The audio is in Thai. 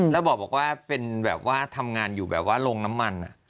แล้วบอกว่าเป็นแบบว่าทำงานอยู่แบบว่าโรงน้ำมัน